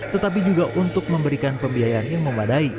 tetapi juga untuk memberikan pembiayaan yang memadai